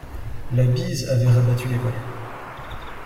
La bise avait rabattu les volets.